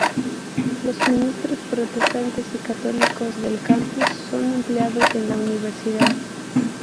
Los ministros protestantes y católicos del campus son empleados de la Universidad.